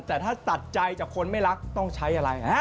แต่ถ้าตัดใจจากคนไม่รักต้องใช้อะไร